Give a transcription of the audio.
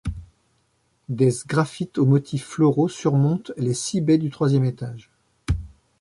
Des sgraffites aux motifs floraux surmontent les six baies du troisième étage.